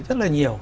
rất là nhiều